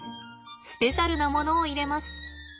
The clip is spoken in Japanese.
スペシャルなものを入れます。